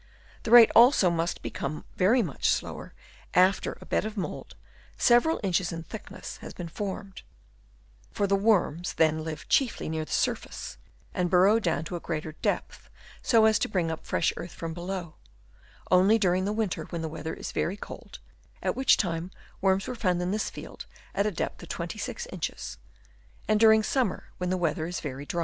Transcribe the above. The rate, also, must become very much slower after a bed of mould, several inches in thick ness, has been formed ; for the worms then live chiefly near the surface, and burrow down to a greater depth so as to bring up fresh earth from below, only during the winter when the weather is very cold (at which time worms were found in this field at a depth of 26 inches) and during summer, when the weather is very dry.